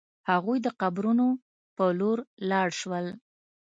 هغوی د قبرونو په لور لاړ شول.